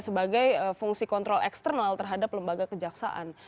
sebagai fungsi kontrol eksternal terhadap lembaga kejaksaan